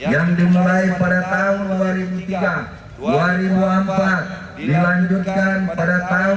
yang dimulai pada tahun dua ribu tiga dua ribu empat dilanjutkan pada tahun dua ribu tujuh yang kemudian mekar pada tahun dua ribu tiga belas